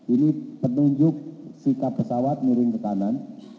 ini penunjuk sikap pesawat miring ke kanan